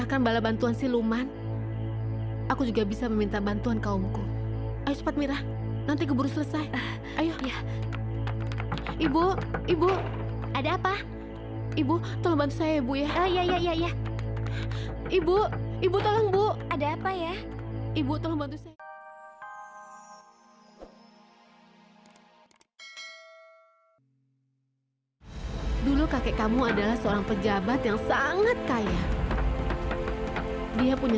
sampai jumpa di video selanjutnya